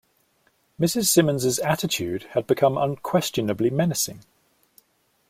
Mrs. Simmons's attitude had become unquestionably menacing.